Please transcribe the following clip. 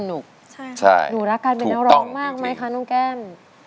ใช่ถูกต้องจริงหนูรักการเป็นน้องร้องมากไหมคะนุ้งแก้ม